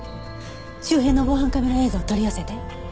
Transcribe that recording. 周辺の防犯カメラ映像を取り寄せて。